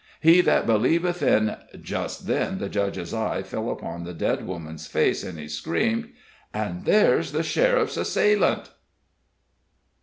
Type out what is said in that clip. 'He that believeth in '" Just then the Judge's eye fell upon the dead woman's face, and he screamed: "And there's the sheriff's assailant!"